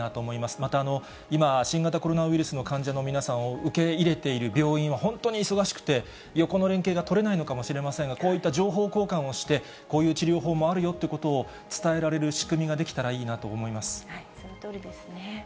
また、今、新型コロナウイルスの患者の皆さんを受け入れている病院は本当に忙しくて、横の連携が取れないのかもしれませんが、こういった情報交換をして、こういう治療法もあるよということを伝えられる仕組みが出来そのとおりですね。